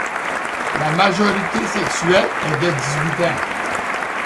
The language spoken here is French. La majorité sexuelle est de dix-huit ans.